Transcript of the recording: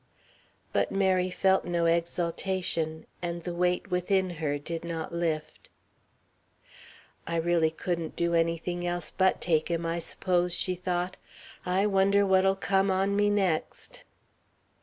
But Mary felt no exultation, and the weight within her did not lift. "I really couldn't do anything else but take him, I s'pose," she thought. "I wonder what'll come on me next?"